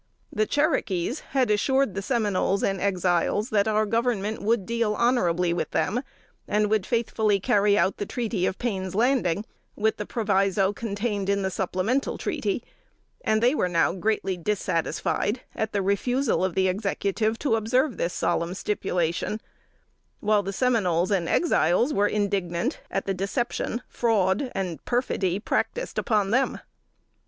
The Cherokees had assured the Seminoles and Exiles that our Government would deal honorably with them, and would faithfully carry out the treaty of Payne's Landing, with the proviso contained in the supplemental treaty; and they were now greatly dissatisfied at the refusal of the Executive to observe this solemn stipulation; while the Seminoles and Exiles were indignant at the deception, fraud and perfidy practiced upon them.